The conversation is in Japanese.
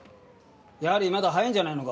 やはりまだ早いんじゃないのか？